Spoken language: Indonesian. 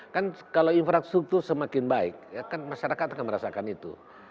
kan kalau infrastruktur semakin baik kan masyarakat akan merasakan itu